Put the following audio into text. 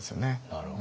なるほど。